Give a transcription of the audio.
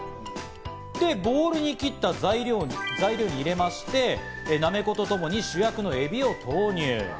で、ボウルに切った材料を入れまして、なめことともに主役のエビを投入。